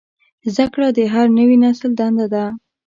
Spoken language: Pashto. زدهکړه د هر نوي نسل دنده ده.